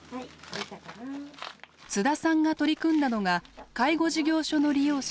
津田さんが取り組んだのが介護事業所の利用者